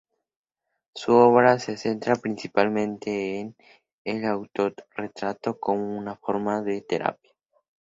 Su obra se centra principalmente en el autorretrato como una forma de terapia.